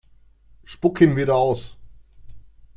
Spuck ihn wieder aus!